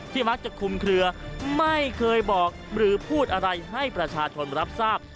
มักจะคุมเคลือไม่เคยบอกหรือพูดอะไรให้ประชาชนรับทราบ